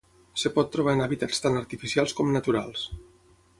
Es pot trobar en hàbitats tant artificials com naturals.